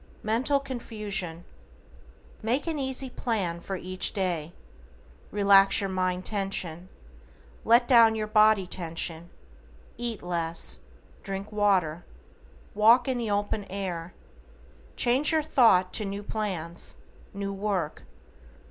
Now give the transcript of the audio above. =MENTAL CONFUSION:= Make an easy PLAN for each day. Relax your mind tension, let down your body tension, eat less, drink water, walk in the open air. Change your thought to new plans, new work.